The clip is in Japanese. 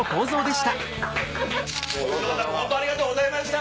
本当ありがとうございました。